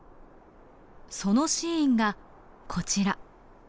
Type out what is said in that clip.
そのシーンがこちら。